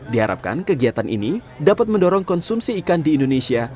diharapkan kegiatan ini dapat mendorong konsumsi ikan di indonesia